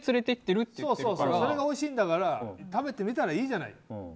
それがおいしいんだから食べてみたらいいじゃない。